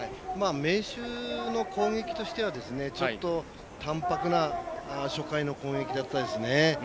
明秀の攻撃としてはちょっと淡泊な初回の攻撃だったですね。